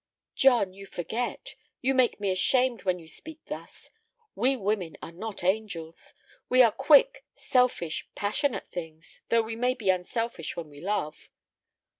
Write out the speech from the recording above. "John, you forget; you make me ashamed when you speak thus; we women are not angels; we are quick, selfish, passionate things, though we may be unselfish when we love."